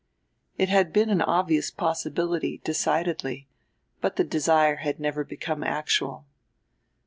It had been an obvious possibility, decidedly; but the desire had never become actual.